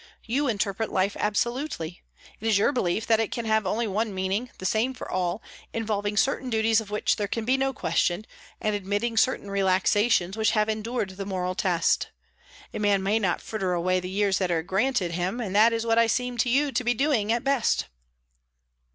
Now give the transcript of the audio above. You interpret life absolutely; it is your belief that it can have only one meaning, the same for all, involving certain duties of which there can be no question, and admitting certain relaxations which have endured the moral test. A man may not fritter away the years that are granted him; and that is what I seem to you to be doing, at best."